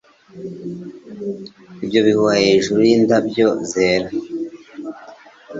Ibyo bihuha hejuru yindabyo zera